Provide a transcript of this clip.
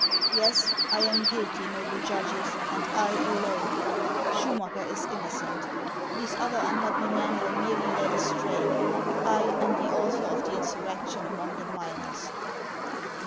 Yes, I am guilty, noble judges, and I alone. Schumacker is innocent; these other unhappy men were merely led astray. I am the author of the insurrection among the miners."